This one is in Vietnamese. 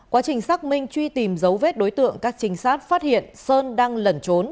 quá trình xác minh truy tìm dấu vết đối tượng các trinh sát phát hiện sơn đang lẩn trốn